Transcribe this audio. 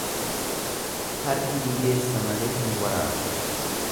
Fardi ni geessa malee hin waraanu.